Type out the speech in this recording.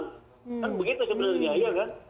kan begitu sebenarnya